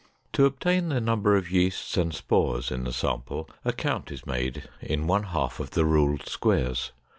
To obtain the number of yeasts and spores in the sample, a count is made in one half of the ruled squares.